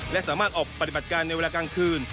และสามารถออกปฏิบัติการในเวลากลางคืน